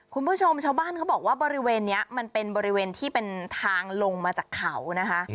คุณผู้ชมชาวบ้านเขาบอกว่าบริเวณนี้มันเป็นบริเวณที่เป็นทางลงมาจากเขานะคะ